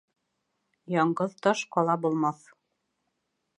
Яңғыҙ таш ҡала булмаҫ.